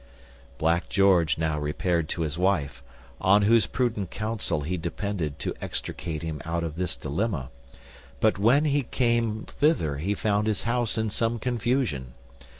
Black George now repaired to his wife, on whose prudent counsel he depended to extricate him out of this dilemma; but when he came thither he found his house in some confusion.